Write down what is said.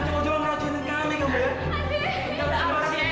jangan cuma cuma meracunin kami kembali ya